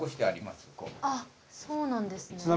ああそうなんですね。